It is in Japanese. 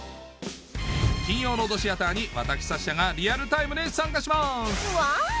金曜ロードシアターに私サッシャがリアルタイムで参加しますワオ！